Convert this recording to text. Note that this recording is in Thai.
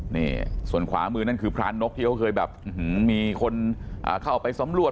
นี่ส่วนขวามือนั่นคือพระนกที่เขาเคยแบบมีคนเข้าไปสำรวจ